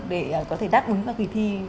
để có thể đáp ứng vào khi thi